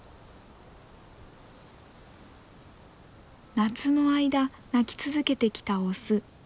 夏の間鳴き続けてきたオス。